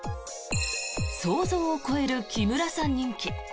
想像を超える木村さん人気。